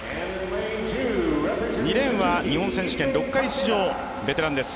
２レーンは日本選手権６回出場ベテランです。